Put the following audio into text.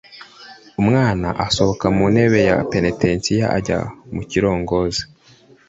umwana asohoka mu ntebe ya penetensiya ajya mu kirongozi